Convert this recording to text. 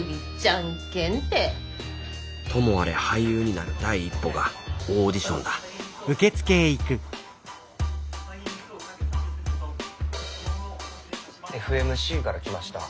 ともあれ俳優になる第一歩がオーディションだＦＭＣから来ました